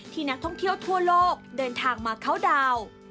นักท่องเที่ยวทั่วโลกเดินทางมาเข้าดาวน์